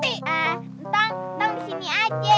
eh entang disini aja